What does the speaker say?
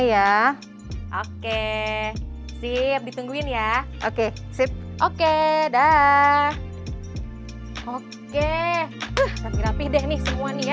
ya oke sip ditungguin ya oke sip oke dah oke rapi rapih deh nih semua nih ya